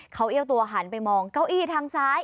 เขาเอี้ยวตัวหันไปมองเก้าอี้ทางซ้าย